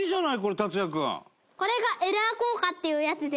達哉君：これがエラー硬貨っていうやつで。